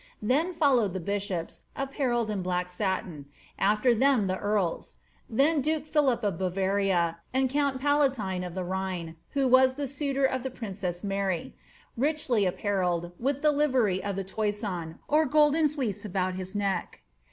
Then followed the bishops, apparelled in black satin ; after them tlie earls ; then duke Phihp of Bavaria and count palatine of the Rhine (who was the suitor of the princess Mary), richly apparelled, with the livery of the Toison, or Golden Fleece, about his neck.